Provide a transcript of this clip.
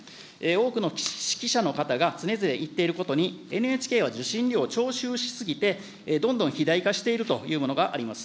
多くの識者の方が常々言っていることに、ＮＨＫは受信料を徴収し過ぎて、どんどん肥大化しているというものがあります。